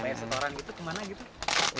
bayar setoran gitu kemana gitu